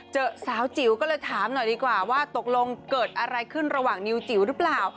เจอสาวจิ๋วก็เลยถามหน่อยดีกว่าว่าตกลงเกิดอะไรขึ้นระหว่างนิวจิ๋วหรือเปล่า